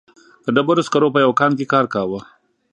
د ډبرو سکرو په یوه کان کې کار کاوه.